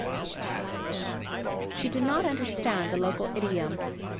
She did not understand the local idiom.